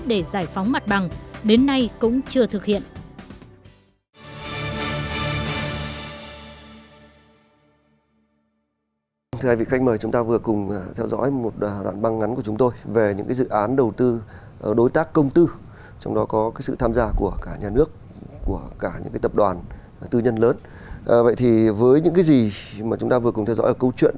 dự án sân bay giải phóng mặt bằng đến nay cũng chưa thực hiện